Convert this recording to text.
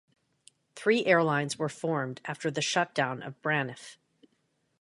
Three airlines were formed after the shutdown of Braniff.